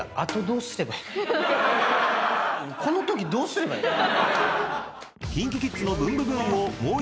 このときどうすればいいの？